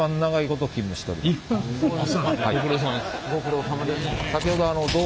ご苦労さまです。